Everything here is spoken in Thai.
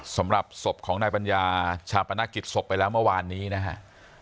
สำหรับศพของนายปัญญาชาปนกิจศพไปแล้วเมื่อวานนี้นะฮะ